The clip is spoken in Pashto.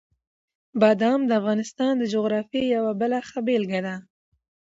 بادام د افغانستان د جغرافیې یوه بله ښه بېلګه ده.